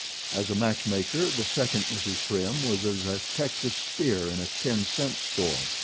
As a matchmaker the second Mrs. Prim was as a Texas steer in a ten cent store.